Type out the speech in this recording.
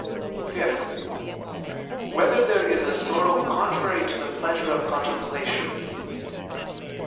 (5) Whether there is a sorrow contrary to the pleasure of contemplation?